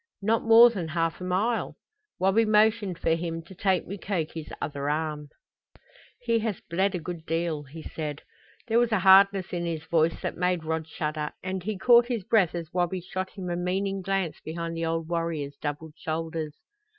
"Not more than half a mile." Wabi motioned for him to take Mukoki's other arm. "He has bled a good deal," he said. There was a hardness in his voice that made Rod shudder, and he caught his breath as Wabi shot him a meaning glance behind the old warrior's doubled shoulders.